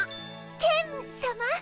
ケンさま？